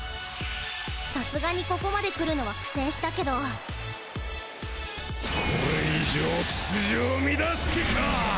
さすがにここまで来るのは苦戦したけどこれ以上秩序を乱す気かぁぁぁ！！